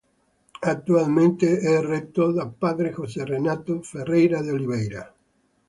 Attualmente è retto da Padre José Renato Ferreira de Oliveira.